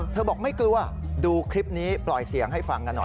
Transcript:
บอกไม่กลัวดูคลิปนี้ปล่อยเสียงให้ฟังกันหน่อย